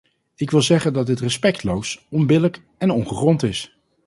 Ik wil zeggen dat dit respectloos, onbillijk en ongegrond is.